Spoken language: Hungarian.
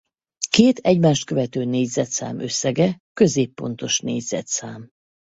Két egymást követő négyzetszám összege középpontos négyzetszám.